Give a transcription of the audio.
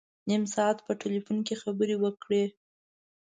نیم ساعت په ټلفون کې خبري وکړې.